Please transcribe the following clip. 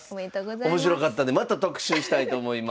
面白かったんでまた特集したいと思います。